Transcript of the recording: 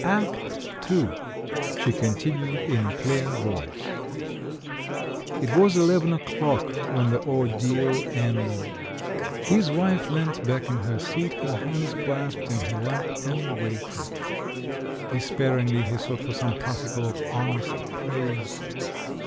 "Act II.," she continued in a clear voice. It was eleven o'clock when the ordeal ended. 288 THE MAN WHO UNDERSTOOD WOMEN His wife leant back in her seat, her hands clasped in her lap, and waited. Despairingly he sought for some particle of honest praise.